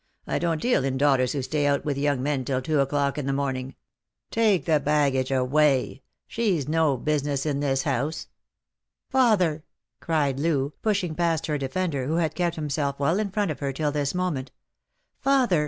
I don't deal in daughters who stay out with young men till two o'clock in the morning. Take the baggage away ; she's no business in this house." " Father !" cried Loo, pushing past her defender, who had kept himself well in front of her till this moment ;" father